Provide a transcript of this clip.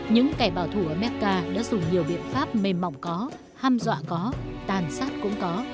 những kẻ bảo thủ ở mecca đã dùng nhiều biện pháp mềm mỏng có ham dọa có tàn sát cũng có